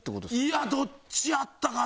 いやどっちやったかな？